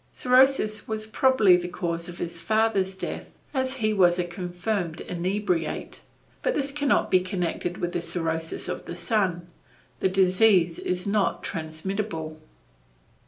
Cirrhosis was probably the cause of his father's death, as he was a confirmed inebriate; but this cannot be connected with the cirrhosis of the son; the disease is not transmissible.